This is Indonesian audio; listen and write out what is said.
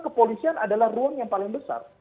kepolisian adalah ruang yang paling besar